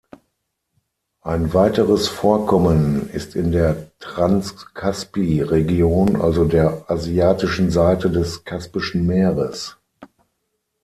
Ein weiteres Vorkommen ist in der Transkaspi-Region, also der asiatischen Seite des Kaspischen Meeres.